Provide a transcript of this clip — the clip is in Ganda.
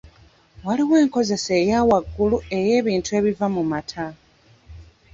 Waliwo enkozesa eya waggulu ey'ebintu ebiva mu mata.